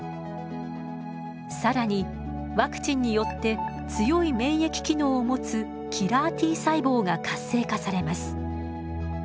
更にワクチンによって強い免疫機能を持つキラーＴ細胞が活性化されます。